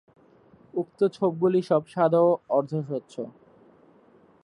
উক্ত ছোপগুলি সব সাদা ও অর্ধ-স্বচ্ছ।